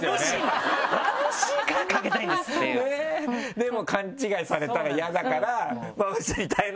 でも勘違いされたら嫌だから。